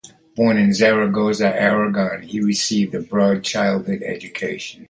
Born in Zaragoza, Aragon, he received a broad childhood education.